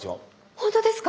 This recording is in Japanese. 本当ですか？